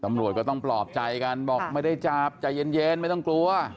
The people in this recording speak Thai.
ตำรวจก็ต้องปลอบใจกันบอกไม่ได้จับใจเย็นไม่ต้องกลัว